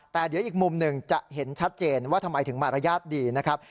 แต่เดี๋ยวอีกมุมหนึ่งจะเห็นชัดเจนว่าทำไมถึงมารยาทดีนะครับ